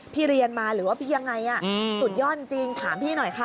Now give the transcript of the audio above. เรียนมาหรือว่าพี่ยังไงสุดยอดจริงถามพี่หน่อยค่ะ